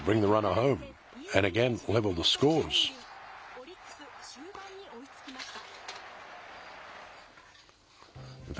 オリックス、終盤に追いつきました。